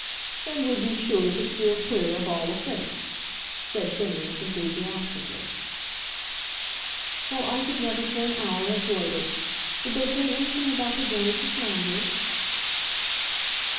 "And would be sure to steer clear of all offence," said Phineas, enthusiastically. "While I could never for an hour avoid it. Did they say anything about the journey to Flanders?"